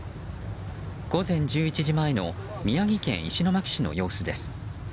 午前１１時前の宮城県石巻市の様子です。